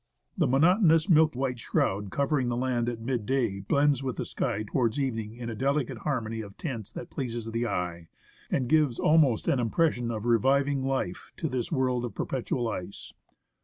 The monotonous milk white shroud covering the land at mid day blends with the sky towards evening in a delicate harmony of tints that pleases the eye, and gives almost ENCAMPMENT ON THE MALASPINA. an impression of reviving life to this world of perpetual ice.